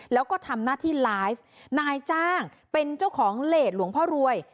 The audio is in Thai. แล้วก็ทำหน้าที่ไลฟ์นายจ้างเป็นเจ้าของเลสหลวงพ่อรวย